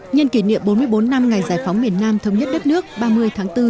nhân kỷ niệm bốn mươi bốn năm ngày giải phóng miền nam thống nhất đất nước ba mươi tháng bốn